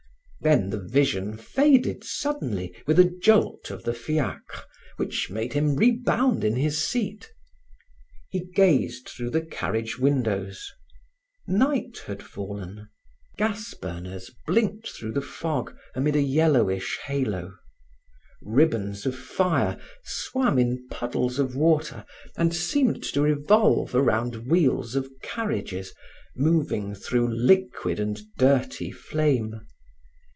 Then the vision faded suddenly with a jolt of the fiacre which made him rebound in his seat. He gazed through the carriage windows. Night had fallen; gas burners blinked through the fog, amid a yellowish halo; ribbons of fire swam in puddles of water and seemed to revolve around wheels of carriages moving through liquid and dirty flame.